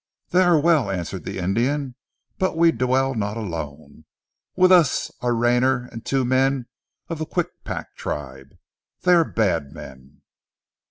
"They are well," answered the Indian. "But we dwell not alone. With us are Rayner and two men of the Kwikpak tribe. They are bad men."